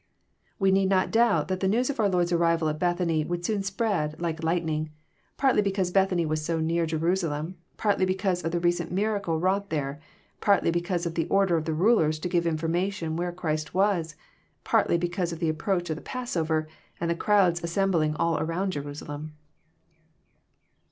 '} We need not doubt that the news of our Lord's arrival at Bethany would soon spread, like lightning, partly because Bethany was so near Jerusalem, partly because of the recent miracle wrought there, partly because of the order of the rulers to give information where Christ was, partly because of the approach of the Passover, and the crowds assembling all around Jerusalem.